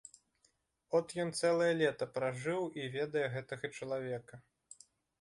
От ён цэлае лета пражыў і ведае гэтага чалавека.